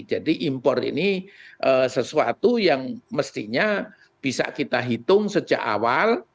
jadi impor ini sesuatu yang mestinya bisa kita hitung sejak awal